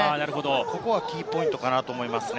ここはキーポイントかなと思いますね。